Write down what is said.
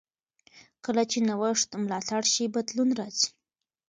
کله چې نوښت ملاتړ شي، بدلون راځي.